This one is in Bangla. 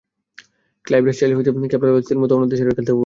ক্লাইভ রাইস চাইলে হয়তো কেপলার ওয়েসেলসদের মতো অন্য দেশের হয়ে খেলতেও পারতেন।